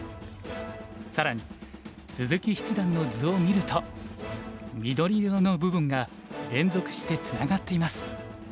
更に鈴木七段の図を見ると緑色の部分が連続してつながっています。